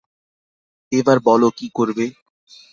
এবার বলো কী করবে?